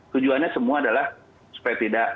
tujuannya semua adalah supaya tidak